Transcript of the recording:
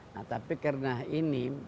nah tapi karena ini